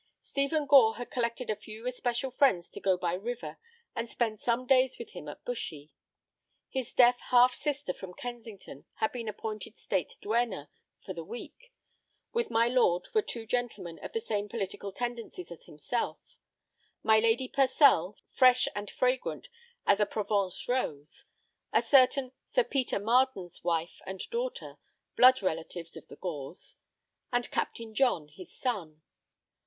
Stephen Gore had collected a few especial friends to go by river and spend some days with him at Bushy. His deaf sister from Kensington had been appointed state duenna for the week. With my lord were two gentlemen of the same political tendencies as himself; my Lady Purcell, fresh and fragrant as a Provence rose; a certain Sir Peter Marden's wife and daughter, blood relatives of the Gores; and Captain John, his son.